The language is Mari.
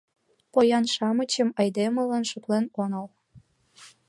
Поян-шамычым айдемылан шотлен онал.